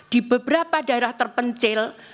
di beberapa daerah terpencil